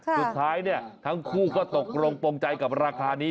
สุดท้ายเนี่ยทั้งคู่ก็ตกลงปงใจกับราคานี้